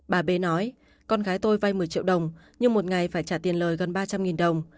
bà b nói con gái tôi vay một mươi triệu đồng nhưng một ngày phải trả tiền lời gần ba trăm linh đồng